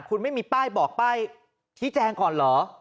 คุณไม่มีป้ายบอกป้ายชี้แจงก่อนเหรอ